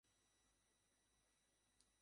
শুধু তোর জন্য অমলেট।